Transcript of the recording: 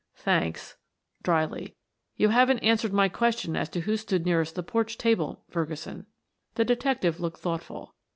"Thanks," dryly. "You haven't answered my question as to who stood nearest the porch table, Ferguson." The detective looked thoughtful.